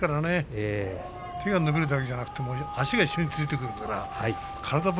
手が伸びるだけじゃなくて足が一緒についてくるから頭と頭。